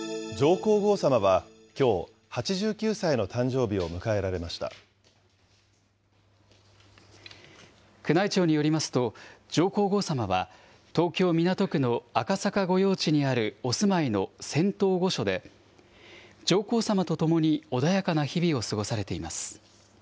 皇后さまはきょう、８９歳宮内庁によりますと、上皇后さまは東京・港区の赤坂御用地にあるお住まいの仙洞御所で、上皇さまと共に穏やかな日々を過ごされています。